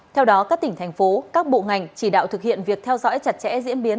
theo đó các tỉnh thành phố các bộ ngành chỉ đạo thực hiện việc theo dõi chặt chẽ diễn biến